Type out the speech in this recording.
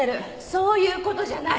そういう事じゃない！